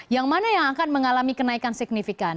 yang mana yang akan mengalami kenaikan signifikan